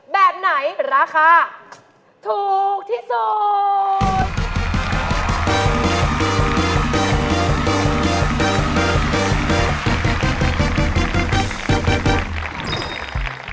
แบบไหนราคาถูกที่สุด